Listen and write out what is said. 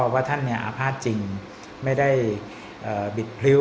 ว่าท่านอาภาษณ์จริงไม่ได้บิดพริ้ว